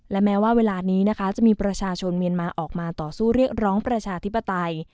และแม้ว่าเวลานี้นะคะจะมีประชาชนเมียนมาออกมาต่อสู้เรียกร้องประชาธิปไตย